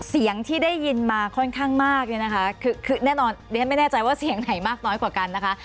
เสียงที่ได้ยินมาค่อนข้างมากเนี่ยนะคะคือแน่นอนเรียนไม่แน่ใจว่าเสียงไหนมากน้อยกว่ากันนะคะ